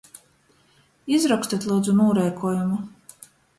Izrokstit, lyudzu, nūreikuojumu!